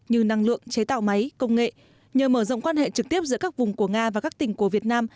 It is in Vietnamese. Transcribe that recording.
như năng lượng chế tạo máy công nghệ nhờ mở rộng quan hệ trực tiếp giữa các vùng của nga và các tỉnh của việt nam